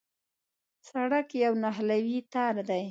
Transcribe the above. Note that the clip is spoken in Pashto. سړک یو نښلوی تار دی.